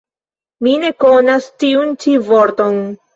Mi ne konas tiun ĉi vorton.